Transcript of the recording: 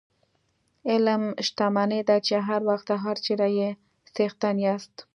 علم شتمني ده چې هر وخت او هر چېرته یې څښتن یاست.